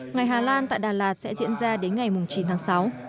ngày hà lan tại đà lạt sẽ diễn ra đến ngày chín tháng sáu